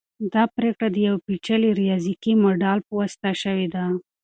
دا پریکړه د یو پیچلي ریاضیکي ماډل په واسطه شوې ده.